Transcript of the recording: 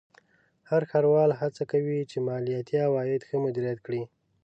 هر ښاروال هڅه کوي چې مالیاتي عواید ښه مدیریت کړي.